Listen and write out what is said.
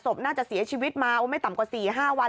น่าจะเสียชีวิตมาไม่ต่ำกว่า๔๕วัน